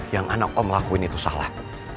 yang anak om lakuin itu salah